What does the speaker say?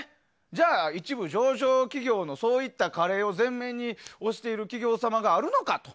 じゃあ、一部上場企業のそういったカレーを前面に推している企業様があるのかと。